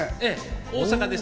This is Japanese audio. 大阪です。